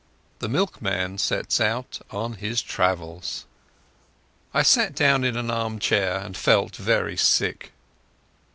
The Milkman Sets Out on his Travels I sat down in an armchair and felt very sick.